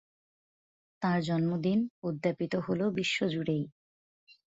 তাঁর জন্মদিন উদ্যাপিত হলো বিশ্বজুড়েই।